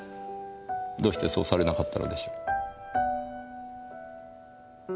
どうしてそうされなかったのでしょう？